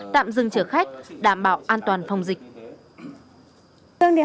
tạm dừng chở khách đảm bảo an toàn phòng dịch